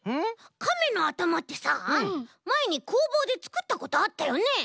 カメのあたまってさまえにこうぼうでつくったことあったよね？